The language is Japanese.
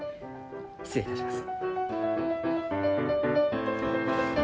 失礼いたします。